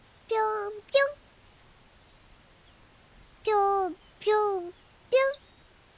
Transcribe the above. ぴょんぴょんぴょん！